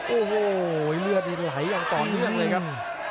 โอ้โหเลือดไหลอย่างตอนนี้เลยครับ